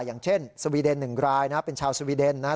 อย่างเช่นสวีเดน๑รายนะครับเป็นชาวสวีเดนนะครับ